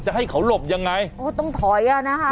ให้เขาหลบยังไงโอ้ต้องถอยอ่ะนะคะ